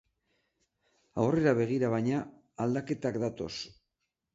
Aurrera begira, baina, aldaketak datoz.